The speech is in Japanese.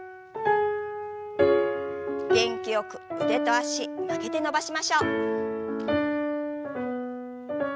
元気よく腕と脚曲げて伸ばしましょう。